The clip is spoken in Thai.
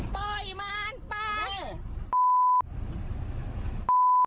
ปล่อยมันปล่อย